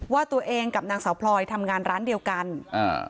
ว่าตัวเองกับนางสาวพลอยทำงานร้านเดียวกันอ่า